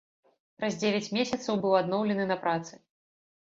Праз дзевяць месяцаў быў адноўлены на працы.